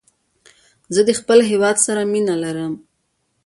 زه د خپل هېواد سره مینه لرم